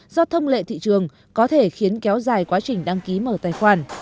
do thông lệ thị trường có thể khiến kéo dài quá trình đăng ký mở tài khoản